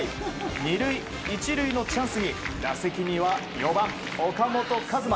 ２塁１塁のチャンスに打席には４番、岡本和真。